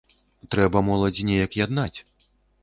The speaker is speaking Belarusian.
Трэба моладзь неяк яднаць.